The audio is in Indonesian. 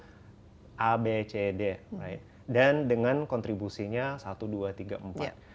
jadi percaya aku dulu kalau kita bastards selalu menyuat mitra perusahaan